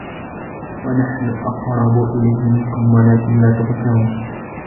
وَنَحْنُ أَقْرَبُ إِلَيْهِ مِنكُمْ وَلَكِن لّا تُبْصِرُونَ